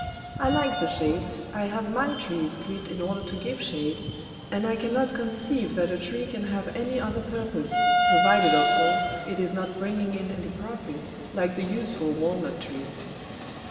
" I like the shade, I have my trees clipped in order to give shade, and I cannot conceive that a tree can have any other purpose, A MAYOR 7 provided of course it is not bringing in any profit, like the useful walnut tree."